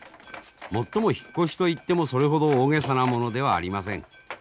もっとも引っ越しといってもそれほど大げさなものではありません。